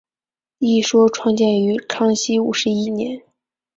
一说创建于康熙五十一年。